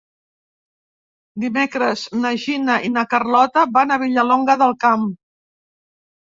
Dimecres na Gina i na Carlota van a Vilallonga del Camp.